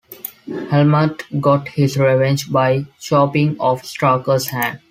Helmut got his revenge by chopping off Strucker's hand.